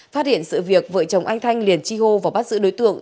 phát hiện sự việc vợ chồng anh thanh liền chi hô và bắt giữ đối tượng